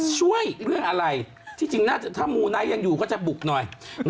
ช่วยเรื่องอะไรถ้ามูนัยยังอยู่ก็จะบุกหน่อย